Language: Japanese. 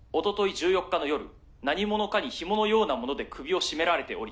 １４日の夜何者かにひものようなもので首を絞められており」。